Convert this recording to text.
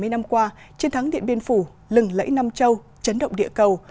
bảy mươi năm qua chiến thắng điện biên phủ lừng lẫy nam châu chấn động địa cầu